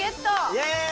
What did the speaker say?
イエーイ！